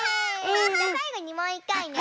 じゃあさいごにもういっかいね。